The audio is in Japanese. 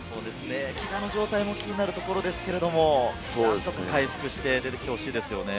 けがの状態も気になるところですけれども、何とか回復して出てきてほしいですね。